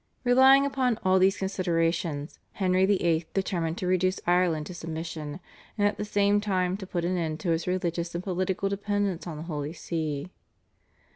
Relying upon all these considerations Henry VIII. determined to reduce Ireland to submission, and at the same time to put an end to its religious and political dependence on the Holy See.